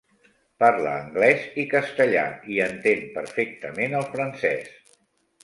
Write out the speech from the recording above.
Parla anglès i castellà i entén perfectament el francès.